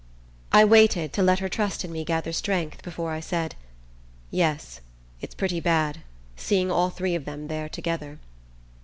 I waited to let her trust in me gather strength before I said: "Yes, it's pretty bad, seeing all three of them there together."